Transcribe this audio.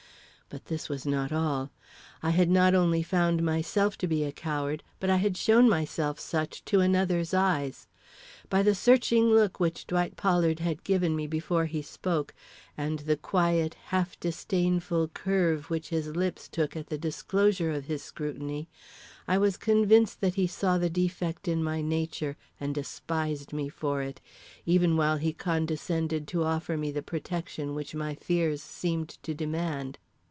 But this was not all. I had not only found myself to be a coward, but I had shown myself such to another's eyes. By the searching look which Dwight Pollard had given me before he spoke, and the quiet, half disdainful curve which his lips took at the close of his scrutiny, I was convinced that he saw the defect in my nature, and despised me for it, even while he condescended to offer me the protection which my fears seemed to demand.